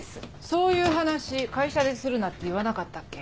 そういう話会社でするなって言わなかったっけ？